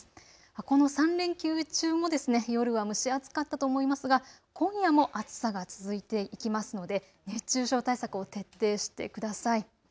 この３連休中も夜は蒸し暑かったと思いますが今夜も暑さが続いていきますので熱中症対策を徹底してください。